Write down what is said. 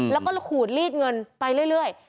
แล้วก็ขูดลีดเงินไปเรื่อย